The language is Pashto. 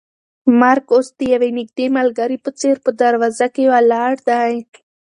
مرګ اوس د یو نږدې ملګري په څېر په دروازه کې ولاړ دی.